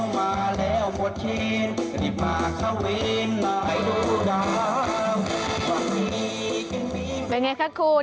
เป็นอย่างไรคะคุณ